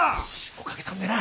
おかげさんでな。